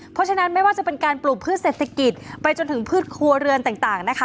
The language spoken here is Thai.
เพราะฉะนั้นไม่ว่าจะเป็นการปลูกพืชเศรษฐกิจไปจนถึงพืชครัวเรือนต่างนะคะ